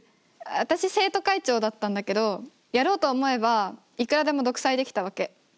私生徒会長だったんだけどやろうと思えばいくらでも独裁できたわけ。